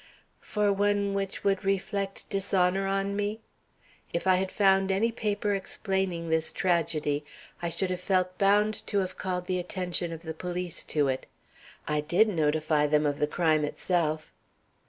"For one which would reflect dishonor on me? If I had found any paper explaining this tragedy, I should have felt bound to have called the attention of the police to it. I did notify them of the crime itself."